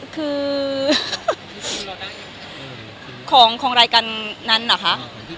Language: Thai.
คือของรายการนั้นเหรอคะ